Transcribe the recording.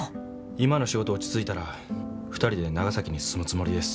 今の仕事落ち着いたら２人で長崎に住むつもりです。